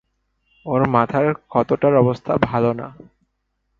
ওর মাথার ক্ষতটার অবস্থা ভালো না।